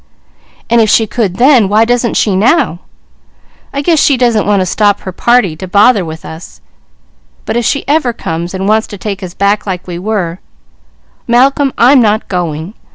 And if she could then, why doesn't she now? I guess he doesn't want to stop her party to bother with us; but if she ever conies and wants to take us back like we were, Malcolm, I'm not going.